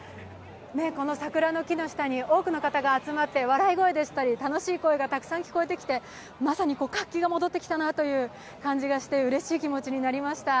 この桜の木の下に多くの方が集まって、笑い声でしたり楽しい声がたくさん聞こえてきて、まさに活気が戻ってきたなという感じがして、うれしい気持ちになりました。